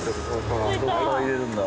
どっから入れるんだ？